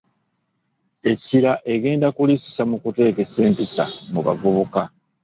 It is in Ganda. Essira agenda kulissa mu kuteekesa empisa mu bavubuka